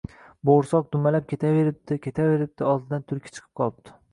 Bo’g’irsoq dumalab ketaveribdi, ketaveribdi, oldidan tulki chiqib qolibdi